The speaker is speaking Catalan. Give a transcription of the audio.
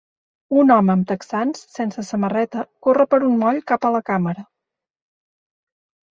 Un home amb texans sense samarreta corre per un moll cap a la càmera.